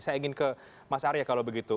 saya ingin ke mas arya kalau begitu